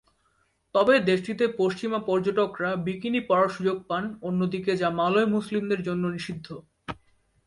তবে দেশটিতে পশ্চিমা পর্যটকরা বিকিনি পরার সুযোগ পান, অন্যদিকে যা মালয় মুসলিমদের জন্য নিষিদ্ধ।